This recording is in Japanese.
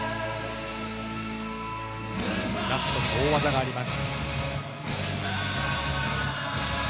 ラストにも大技があります。